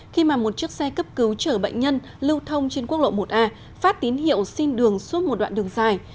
khi mà một chiếc xe cấp cứu chở bệnh nhân lưu thông trên quốc lộ một a phát tín hiệu xin đường suốt một đoạn đường dài